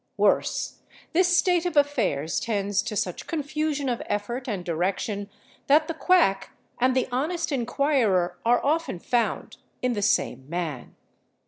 Worse, this state of affairs tends to such confusion of effort and direction that the quack and the honest inquirer are often found in the same man.